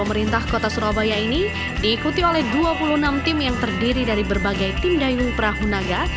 mengikuti oleh dua puluh enam tim yang terdiri dari berbagai tim dayung perahu naga